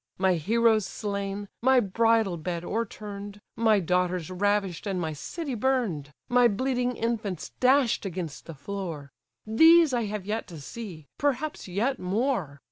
My heroes slain, my bridal bed o'erturn'd, My daughters ravish'd, and my city burn'd, My bleeding infants dash'd against the floor; These I have yet to see, perhaps yet more!